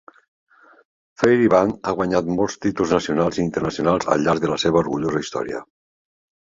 Fairey Band ha guanyat molts títols nacionals i internacionals al llarg de la seva orgullosa història.